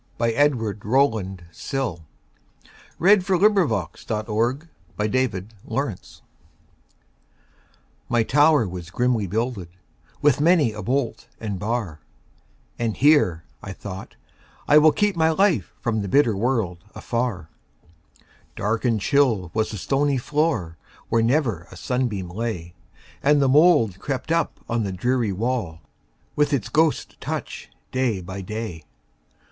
1912. Edward Rowland Sill 1841–1887 Edward Rowland Sill 207 The Open Window MY tower was grimly builded, With many a bolt and bar,"And here," I thought, "I will keep my lifeFrom the bitter world afar."Dark and chill was the stony floor, Where never a sunbeam lay, And the mould crept up on the dreary wall, With its ghost touch, day by day.